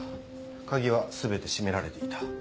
鍵は全て閉められていた。